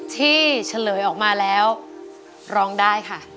เฉลยออกมาแล้วร้องได้ค่ะ